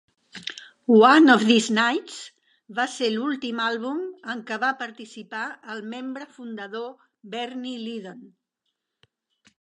"One of These Nights" va ser l'últim àlbum en què va participar el membre fundador Bernie Leadon.